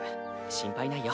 心配ないよ。